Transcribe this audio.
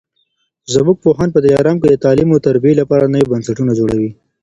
زموږ پوهان په دلارام کي د تعلیم او تربیې لپاره نوي بنسټونه جوړوي